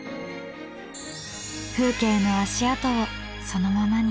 風景の足跡をそのままに。